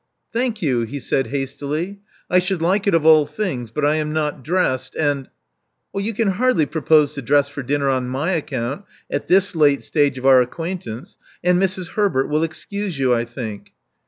'* "Thank you," he said, hastily: "I should like it of all things; but I am not dressed; and " "You can hardly propose to dress for dinner on my account at this late stage of our acquaintance: and Mrs. Herbert will excuse you, I think."